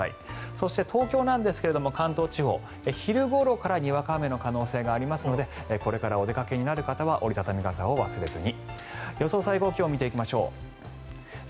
そして、東京なんですが関東地方昼ごろからにわか雨の可能性がありますのでこれからお出かけになる方は折り畳み傘を忘れずに。